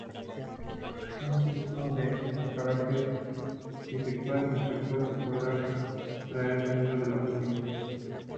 Un círculo de carácter bisexual y homosexual se podía rastrear dentro de la oficina.